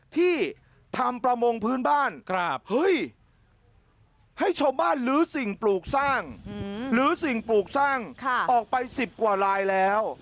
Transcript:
ที่ทำประมงพื้นบ้านเฮ้ยให้ชาวบ้านลื้อสิ่งปลูกสร้างลื้อสิ่งปลูกสร้างออกไป๑๐กว่าลายแล้ว